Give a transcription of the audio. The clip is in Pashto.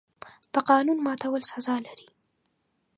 د قانون ماتول سزا لري.